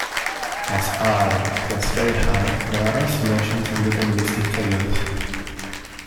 As r gets very high, there are oscillations and deterministic chaos.